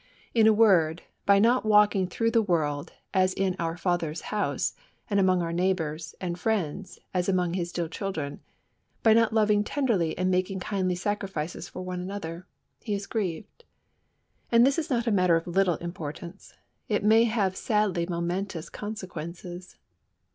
In a word, by not walking through the world as in our Father's house, and among our neighbours and friends as among His dear children; by not loving tenderly and making kindly sacrifices for one another, He is grieved. And this is not a matter of little importance. It may have sadly momentous consequences.